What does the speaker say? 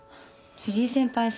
藤井先輩